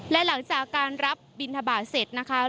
และหลังจากการรับบินทบาทเสร็จนะคะ